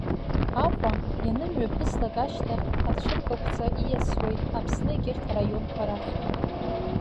Аҟәа ианымҩаԥыслак ашьҭахь ацәыргақәҵа ииасуеит Аԥсны егьырҭ араионқәа рахь…